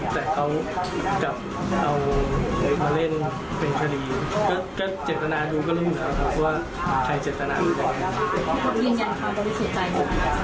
แต่เขากลับเอามาเล่นเป็นคดีก็เจ็บตนาดูก็รู้เหมือนกันครับว่าใครเจ็บตนาดูกัน